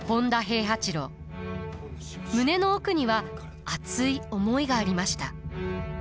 胸の奥には熱い思いがありました。